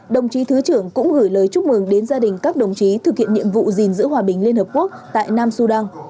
đồng chí thứ trưởng cũng gửi lời chúc mừng đến gia đình các đồng chí thực hiện nhiệm vụ gìn giữ hòa bình liên hợp quốc tại nam sudan